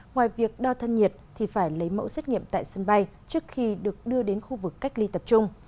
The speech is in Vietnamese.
ngoài việc đo thân nhiệt thì phải lấy mẫu xét nghiệm tại sân bay trước khi được đưa đến khu vực cách ly tập trung